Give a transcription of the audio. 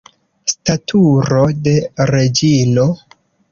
Staturo de reĝino!